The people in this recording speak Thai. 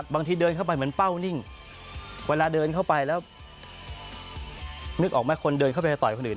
บางทีเดินเข้าไปเหมือนเป้านิ่งเวลาเดินเข้าไปแล้วนึกออกไหมคนเดินเข้าไปต่อยคนอื่น